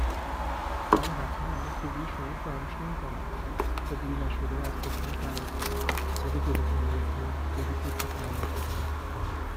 بله حتماً من خوبی شما رو فراموش نمی کنم. تا دیر نشده از پشت بوم فرار کنید. اگه جلوتونو گرفتن بگید دوست فرموش هستیم.